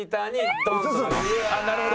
なるほど。